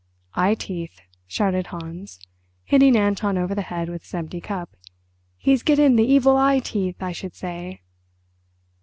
"Eye teeth!" shouted Hans, hitting Anton over the head with his empty cup; "he's getting the evil eye teeth, I should say."